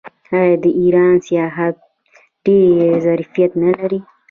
آیا د ایران سیاحت ډیر ظرفیت نلري؟